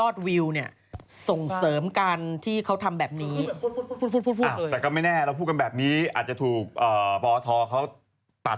ต้องให้ตบต้องหูซ้ายหูขวา